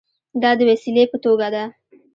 دا د وسیلې په توګه ده.